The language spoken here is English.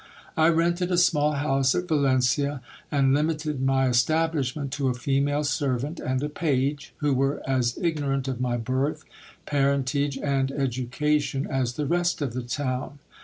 I rented a small house at Va lencia, and limited my establishment to a female servant and a page, who were as ignorant of my birth, parentage, and education, as the rest of the town.